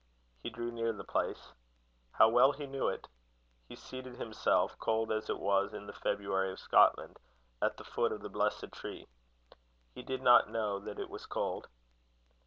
He drew near the place. How well he knew it! He seated himself, cold as it was in the February of Scotland, at the foot of the blessed tree. He did not know that it was cold.